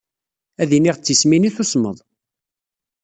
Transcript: Ad d-iniɣ d tismin i tusmeḍ.